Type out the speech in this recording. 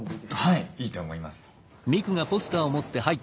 はいいいと思います。